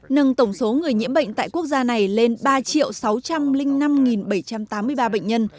nâng tổng số người nhiễm bệnh tại quốc gia này lên ba sáu trăm linh năm bảy trăm tám mươi ba bệnh nhân